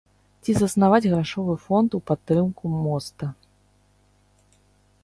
Ці заснаваць грашовы фонд у падтрымку моста.